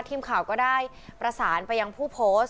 ทีมข่าวก็ได้ประสานไปยังผู้โพสต์